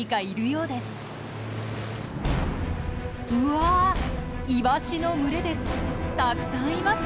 うわイワシの群れです！